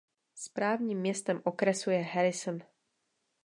Správním městem okresu je Harrison.